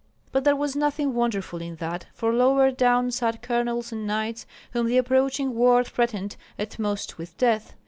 But there was nothing wonderful in that, for lower down sat colonels and knights whom the approaching war threatened at most with death.